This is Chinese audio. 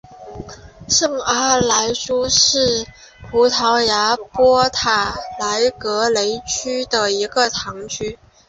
圣阿莱舒是葡萄牙波塔莱格雷区的一个堂区。